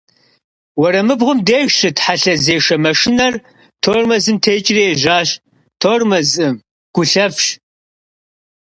Уэрамыбгъум деж щыт хьэлъэзешэ машинэр тормозым текӀри ежьащ.